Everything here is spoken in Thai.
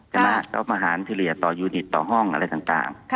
จำหน้าเจ้าประหารที่เหลี่ยต่อยูนิตต่อห้องอะไรต่าง